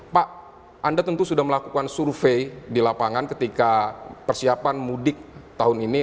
pak anda tentu sudah melakukan survei di lapangan ketika persiapan mudik tahun ini